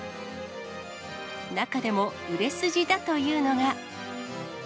中でも売れ筋だというのが。